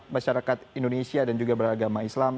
masyarakat indonesia dan juga beragama islam